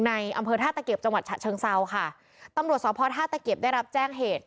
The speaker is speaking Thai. อำเภอท่าตะเกียบจังหวัดฉะเชิงเซาค่ะตำรวจสอบพอท่าตะเกียบได้รับแจ้งเหตุ